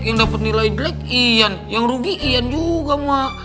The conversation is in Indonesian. yang dapet nilai jelek yan yang rugi yan juga ma